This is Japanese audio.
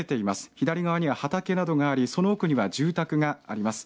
左側には畑などがありその奥には住宅があります。